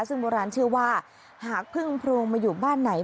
ซึ่งโบราณเชื่อว่าหากพึ่งโพรงมาอยู่บ้านไหน